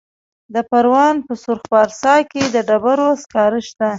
د پروان په سرخ پارسا کې د ډبرو سکاره شته.